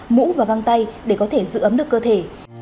mũ và găng tay để có thể giữ ấm được cơ thể